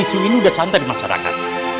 isu ini sudah santai di masyarakat